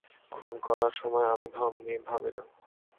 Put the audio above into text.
খুন করার সময় আমি ধর্ম নিয়ে ভাবি না।